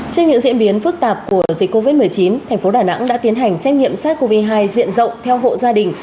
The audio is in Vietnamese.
trên những diễn biến phức tạp của dịch covid một mươi chín thành phố đà nẵng đã tiến hành xét nghiệm sars cov hai diện rộng theo hành động